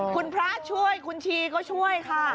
คุณพระช่วยคุณชีก็ช่วยค่ะ